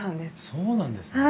そうなんですね。